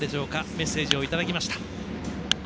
メッセージをいただきました。